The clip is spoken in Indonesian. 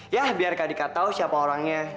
yah biar kak dika tahu siapa orangnya